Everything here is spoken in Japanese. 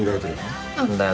何なんだよ